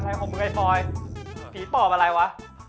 อะไรของมึงไอ้ฟ้อยผีปฟับอะไรวะ